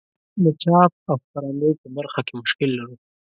د چاپ او خپرندوی په برخه کې مشکل لرو.